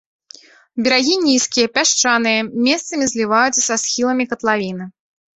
Берагі нізкія, пясчаныя, месцамі зліваюцца са схіламі катлавіны.